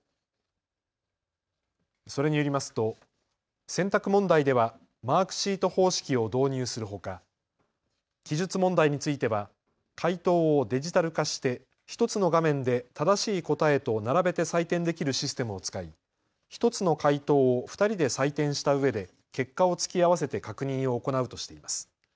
それによりますと選択問題ではマークシート方式を導入するほか、記述問題については解答をデジタル化して１つの画面で正しい答えと並べて採点できるシステムを使い１つの解答を２人で採点したうえで結果を突き合わせて確認を行うとしています。